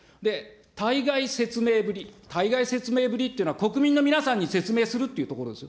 対外説明ぶり、対外説明ぶりというのは、国民の皆さんに説明するというところですよ。